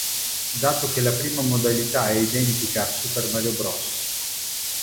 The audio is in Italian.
Dato che la prima modalità è identica a "Super Mario Bros.